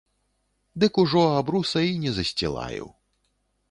Дык ужо абруса і не засцілаю.